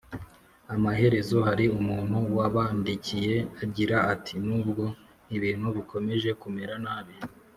Amaherezo hari umuntu wabandikiye agira ati nubwo ibintu bikomeje kumera nabi